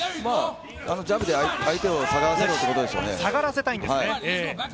ジャブで相手を下がらせろということでしょうね。